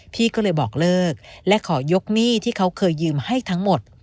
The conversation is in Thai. พี่ก็เลยบอกเลิกและขอยกหนี้ที่เขาเคยยืมให้ทั้งหมด